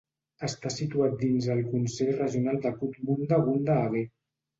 Està situat dins el Consell Regional de Cootamundra-Gundagai.